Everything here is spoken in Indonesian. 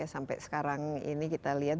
sampai sekarang ini kita lihat